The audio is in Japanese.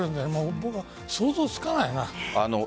僕は想像つかない。